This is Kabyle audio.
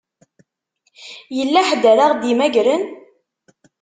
Yella ḥedd ara ɣ-d-imagren?